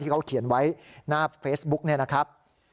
ที่เขาเขียนไว้หน้าเฟซบุ๊คนะครับ